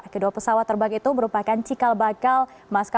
kedua pesawat terbang itu merupakan cikal bakal maskapai